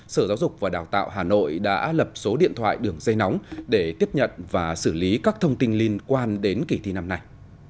sở giáo dục và đào tạo hà nội đã lập số điện thoại đường dây nóng để tiếp nhận và xử lý các thông tin liên quan đến kỳ thi năm nay